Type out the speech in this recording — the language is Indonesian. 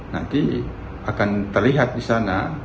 nanti akan terlihat di sana